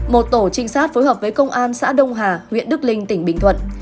một tổ trinh sát phối hợp với công an xã đông hà huyện đức linh tỉnh bình thuận